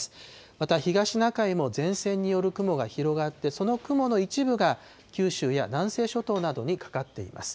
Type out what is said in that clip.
また東シナ海も前線による雲が広がって、その雲の一部が九州や南西諸島などにかかっています。